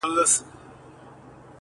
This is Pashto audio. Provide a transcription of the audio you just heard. • جل وهلی سوځېدلی د مودو مودو راهیسي ,